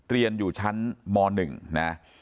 เรียนอยู่ชั้นม๑นะ